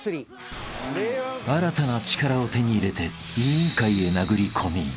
［新たな力を手に入れて『委員会』へ殴り込み］